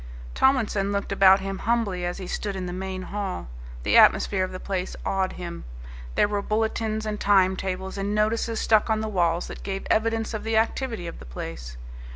Tomlinson looked about him humbly as he stood in the main hall. The atmosphere of the place awed him. There were bulletins and time tables and notices stuck on the walls that gave evidence of the activity of the place.